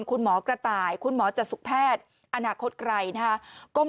คุณหมอกระตายคุณหมอจัดสุคแพทอนาคศไกรนะค่ะก้ม